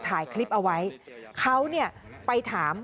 ถ่ายคลิปเอาไว้เขาเนี่ยไปถาม